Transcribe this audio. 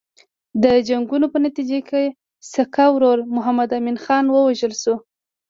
د جنګونو په نتیجه کې سکه ورور محمد امین خان ووژل شو.